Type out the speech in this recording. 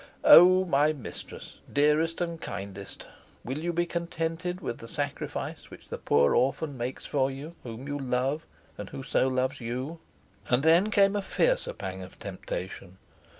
"Oh! my mistress, dearest and kindest, will you be contented with the sacrifice which the poor orphan makes for you, whom you love, and who so loves you?" And then came a fiercer pang of temptation.